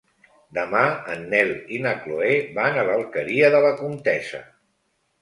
Demà en Nel i na Chloé van a l'Alqueria de la Comtessa.